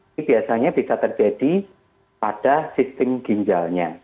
ini biasanya bisa terjadi pada sistem ginjalnya